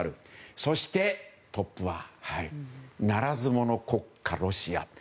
そして、トップはならず者国家ロシア。